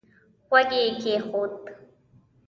غوږ يې کېښود.